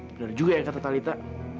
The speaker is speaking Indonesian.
bener juga ya kata talita